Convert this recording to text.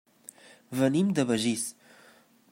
Venim de Begís.